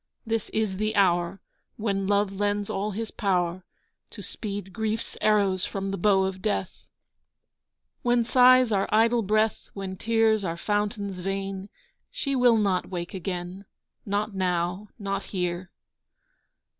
This is the hour When Love lends all his power To speed grief's arrows from the bow of Death, When sighs are idle breath, When tears are fountains vain. She will not wake again, Not now, not here.